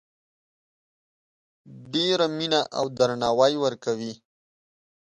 ډیره مینه او درناوی ورکوي